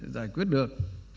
giải quyết được